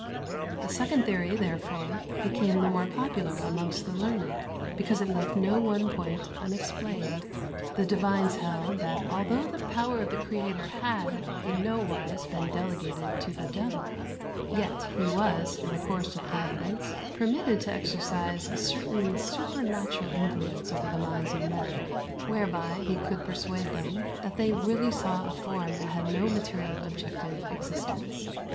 47. The second theory, therefore, became the more popular amongst the learned, because it left no one point unexplained. The divines held that although the power of the Creator had in no wise been delegated to the devil, yet he was, in the course of providence, permitted to exercise a certain supernatural influence over the minds of men, whereby he could persuade them that they really saw a form that had no material objective existence.